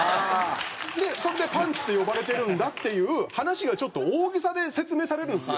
でそれで「パンツ」と呼ばれてるんだっていう話がちょっと大げさで説明されるんですよ。